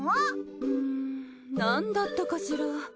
うんなんだったかしら？